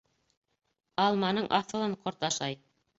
Алманың аҫылын ҡорт ашай.